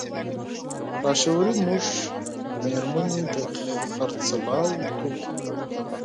لاشعوري موږ مېرمنې د خرڅلاو توکي ګڼو.